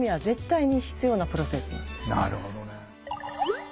なるほどね。